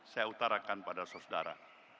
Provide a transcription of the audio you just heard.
saya utarakan pada saudara